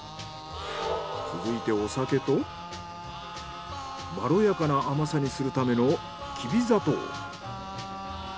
続いてお酒とまろやかな甘さにするためのきび砂糖。